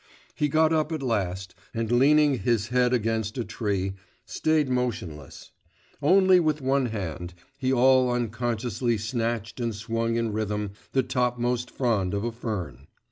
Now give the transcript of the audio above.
He got up at last, and leaning his head against a tree, stayed motionless; only with one hand, he all unconsciously snatched and swung in rhythm the topmost frond of a fern.